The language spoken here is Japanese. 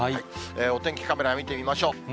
お天気カメラ見てみましょう。